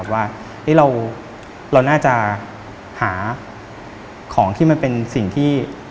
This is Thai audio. ว่าเราน่าจะหาของที่มันเป็นสิ่งที่